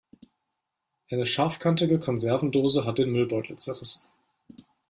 Eine scharfkantige Konservendose hat den Müllbeutel zerrissen.